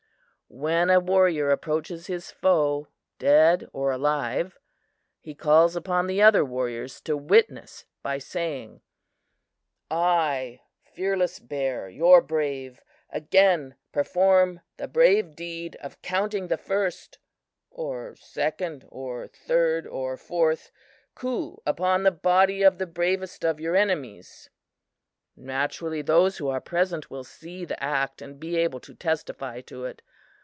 "When a warrior approaches his foe, dead or alive, he calls upon the other warriors to witness by saying: 'I, Fearless Bear, your brave, again perform the brave deed of counting the first (or second or third or fourth) coup upon the body of the bravest of your enemies.' Naturally, those who are present will see the act and be able to testify to it.